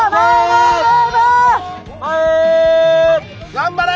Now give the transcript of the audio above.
頑張れ！